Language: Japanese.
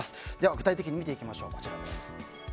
具体的に見ていきます。